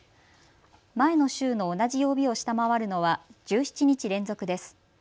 前の週の同じ曜日を下回るのは１７日連続です。